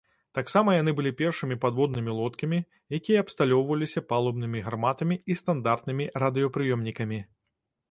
Таксама яны былі першымі падводнымі лодкамі, якія абсталёўваліся палубнымі гарматамі і стандартнымі радыёпрыёмнікамі.